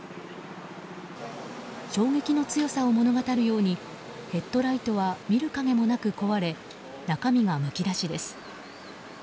衝撃の強さを物語るようにヘッドライトは見る影もなく壊れ中身がむき出しです。